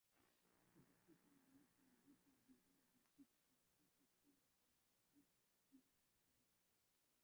Utafiti unaonyesha muziki wa kizazi kipya soko kubwa na ni ajira kwa vijana wengi